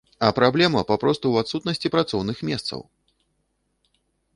А праблема папросту ў адсутнасці працоўных месцаў!